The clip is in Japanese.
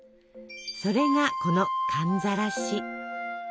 それがこの「寒ざらし」。